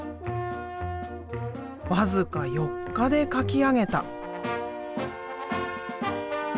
僅か４日で描き上げた。